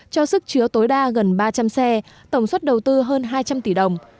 cho sức chứa tối đa gần ba trăm linh xe tổng suất đầu tư hơn hai trăm linh tỷ đồng